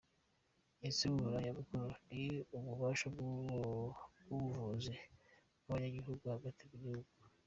Insiguro nyamukuru ni ububasha bw'ubuguzi bw'abanyagihugu, hagati mu gihugu.